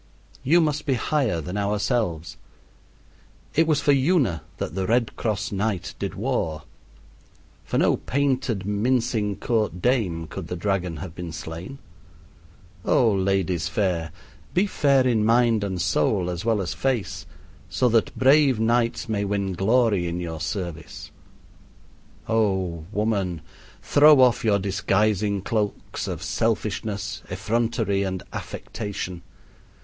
You must be higher than ourselves. It was for Una that the Red Cross Knight did war. For no painted, mincing court dame could the dragon have been slain. Oh, ladies fair, be fair in mind and soul as well as face, so that brave knights may win glory in your service! Oh, woman, throw off your disguising cloaks of selfishness, effrontery, and affectation!